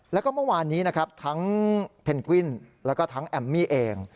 แล้วก็เมื่อวานนี้นะครับทั้งเพนกวินแล้วก็ทั้งแอมมี่เอง